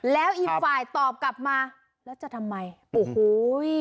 แล้วอีกฝ่ายตอบกลับมาแล้วจะทำไมโอ้โห